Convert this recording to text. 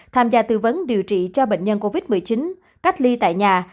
tham gia tư vấn điều trị cho bệnh nhân covid một mươi chín cách ly tại nhà